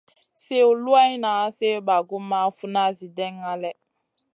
Sliw luwanŋa, sliw bagumʼma, funa, Zi ɗènŋa lèh.